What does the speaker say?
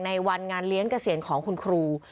ในวันงานเลี้ยงเกษียณของคุณครู